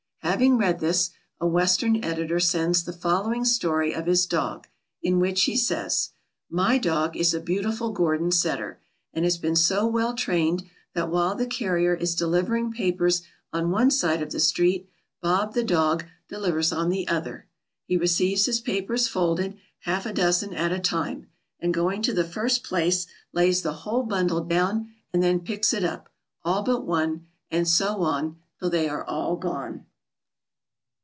Having read this, a Western editor sends the following story of his dog, in which he says: "My dog is a beautiful Gordon setter, and has been so well trained that while the carrier is delivering papers on one side of the street, Bob, the dog, delivers on the other. He receives his papers folded, half a dozen at a time, and going to the first place, lays the whole bundle down, and then picks it up, all but one, and so on till they are all gone."